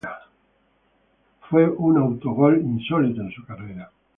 Fue un autogol insólito en su carrera.